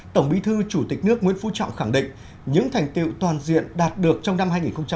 tổng bí thư chủ tịch nước nguyễn phú trọng khẳng định những thành tiệu toàn diện đạt được trong năm hai nghìn hai mươi